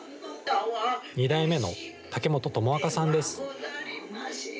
２代目の竹本友和嘉さんです。